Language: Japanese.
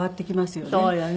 そうよね。